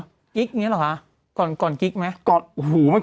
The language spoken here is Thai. มีกลิ๊กอย่างนี้หรอก่อนกลิ๊กไหม